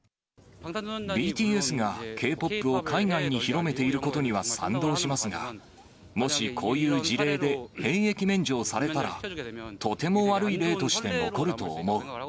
ＢＴＳがＫ−ＰＯＰを海外に広めていることには、賛同しますが、もしこういう事例で、兵役免除をされたら、とても悪い例として残ると思う。